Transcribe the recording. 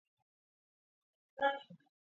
ადგილობრივი მოსახლეობის გადმოცემით აქ ეკლესია იყო.